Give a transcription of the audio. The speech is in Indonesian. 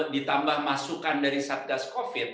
ditambah masukan dari satgas covid